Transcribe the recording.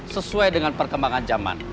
sesuai dengan perkembangan zaman